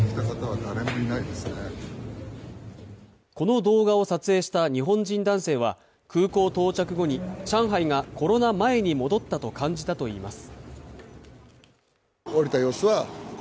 この動画を撮影した日本人男性は空港到着後に上海がコロナ前に戻ったと感じたといいます。